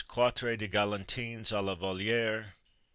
Quatre de Galantines à la Volière.